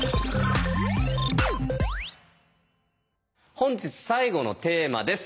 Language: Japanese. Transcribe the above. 本日最後のテーマです。